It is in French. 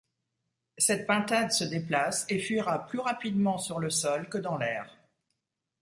Cette pintade se déplace et fuira plus rapidement sur le sol que dans l'air.